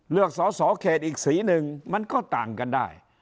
สอสอเขตอีกสีหนึ่งมันก็ต่างกันได้